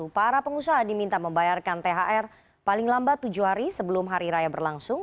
para pengusaha diminta membayarkan thr paling lambat tujuh hari sebelum hari raya berlangsung